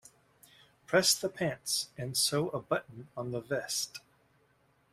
Press the pants and sew a button on the vest.